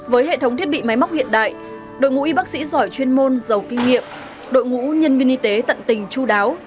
với hệ thống thiết bị máy móc hiện đại đội ngũ y bác sĩ giỏi chuyên môn giàu kinh nghiệm đội ngũ nhân viên y tế tận tình chú đáo